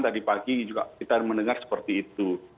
tadi pagi juga kita mendengar seperti itu